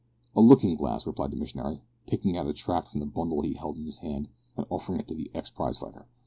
"A looking glass," replied the missionary, picking out a tract from the bundle he held in his hand and offering it to the ex prize fighter.